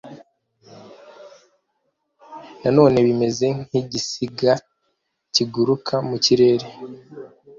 Nanone bimeze nk’igisiga kiguruka mu kirere,